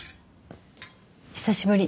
久しぶり。